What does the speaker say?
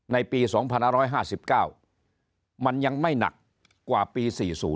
ในปี๒๕๕๙มันยังไม่หนักกว่าปี๔๐